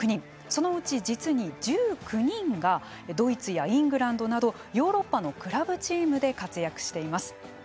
そのうち実に１９人がドイツやイングランドなどヨーロッパのクラブチームで活躍しています。